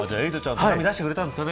手紙出してくれたんですかね。